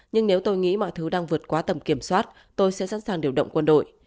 nhưng nếu tôi nghĩ mọi thứ đang vượt quá tầm kiểm soát tôi sẽ sẵn sàng điều động quân đội